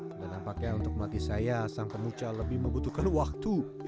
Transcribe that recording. dan nampaknya untuk pelatih saya sang pemucal lebih membutuhkan waktu